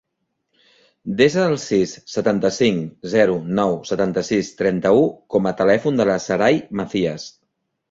Desa el sis, setanta-cinc, zero, nou, setanta-sis, trenta-u com a telèfon de la Saray Macias.